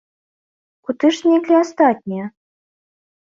Куды ж зніклі астатнія?